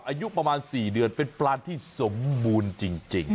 อายุประมาณ๔เดือนเป็นปลานที่สมบูรณ์จริง